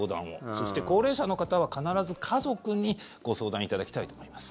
そして高齢者の方は、必ず家族にご相談いただきたいと思います。